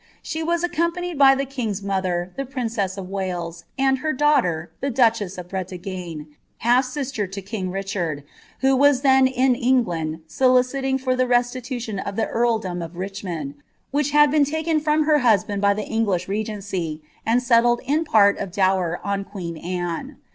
She was accompanied by llie king's ther, the princess of Wales, and her daughter, the duchess of Bre ne, half sister to king Richard, who was then in England, soliciting the restitution of the earldom of Richmond, which hod been taken in her husband by the English regency, and settled in part of dower queen Anne.